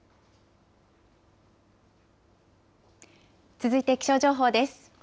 続いて気象情報です。